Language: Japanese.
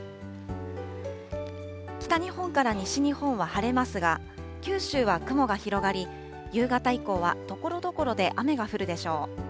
北日本から西日本は晴れますが、九州は雲が広がり、夕方以降はところどころで雨が降るでしょう。